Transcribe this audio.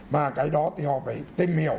và cái đó thì họ phải tìm hiểu